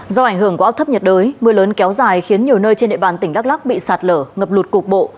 do ảnh hưởng của áp thấp nhiệt đới mưa lớn kéo dài khiến nhiều nơi trên địa bàn tỉnh đắk lắc bị sạt lở ngập lụt cục bộ